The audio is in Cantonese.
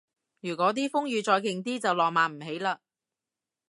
如嗰啲風雨再勁啲就浪漫唔起嘞